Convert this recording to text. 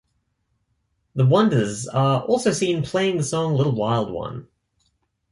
The Wonders are also seen playing the song Little Wild One.